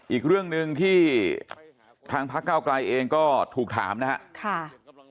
อีกเรื่องหนึ่งที่ทางพักเก้าไกลเองก็ถูกถามนะครับ